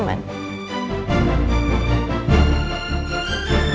masa bagian tadi